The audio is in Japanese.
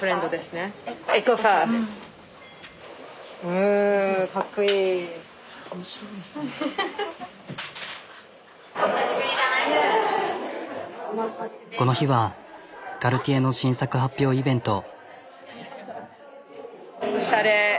うんこの日はカルティエの新作発表イベント。